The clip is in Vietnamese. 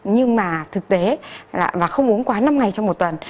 nhưng mà thực tế và không uống quá năm ngày trong một tuần